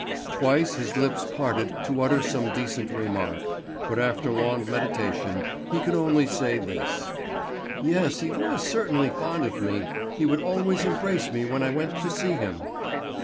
Twice his lips parted to utter some decent remark, but after long meditation he could only say this: "Yes, he was certainly fond of me. He would always embrace me when I went to see him."